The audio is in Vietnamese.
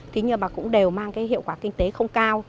thế nhưng mà cũng đều mang cái hiệu quả kinh tế không cao